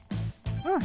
うん。